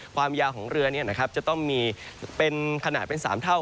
ความยาวของเรือจะต้องมีเป็นขนาดเป็น๓เท่า